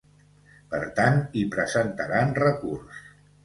Per tant, hi presentaran recurs.